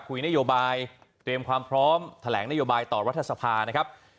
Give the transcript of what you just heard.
คุยนโยบายเตรียมความพร้อมแถลงนโยบายต่อรัฐสภานะครับ